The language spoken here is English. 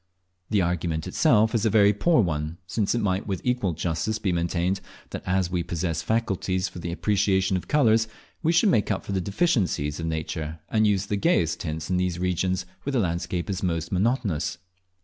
The argument itself is a very poor one, since it might with equal justice be maintained, that as we possess faculties for the appreciation of colours, we should make up for the deficiencies of nature and use the gayest tints in those regions where the landscape is most monotonous.